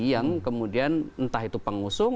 yang kemudian entah itu pengusung